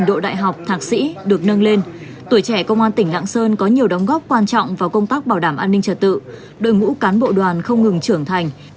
được nâng lên tuổi trẻ công an tỉnh lạng sơn có nhiều đóng góp quan trọng vào công tác bảo đảm an ninh trật tự đội ngũ cán bộ đoàn không ngừng trưởng thành